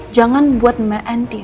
jangan buat mbak andien